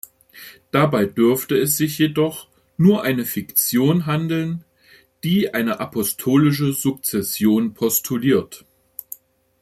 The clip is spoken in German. Dabei dürfte es sich jedoch nur eine Fiktion handeln, die eine apostolische Sukzession postuliert.